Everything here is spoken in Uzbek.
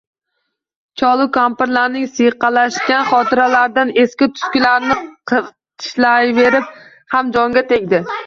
Cholu kampirlarning siyqalashgan xotiralaridan eski-tuskilarni qirtishlayverish ham jonga tegdi…